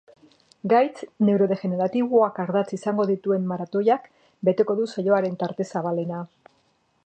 Gaitz neurodegeneratiboak ardatz izango dituen maratoiak beteko du saioaren tarte zabalena.